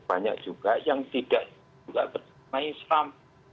ada juga yang tidak juga berdengan islam